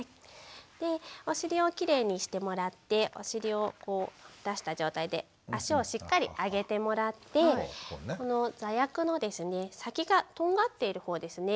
でお尻をきれいにしてもらってお尻をこう出した状態で足をしっかり上げてもらってこの座薬の先がとんがっている方ですね。